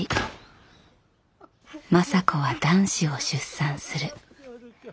政子は男子を出産する。